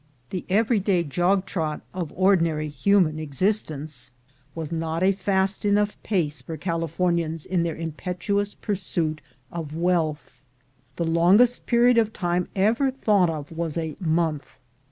The every day jog trot of ordinary human exist ence was not a fast enough pace for Californians in their impetuous pursuit of wealth. The longest period of time ever thought of was a month.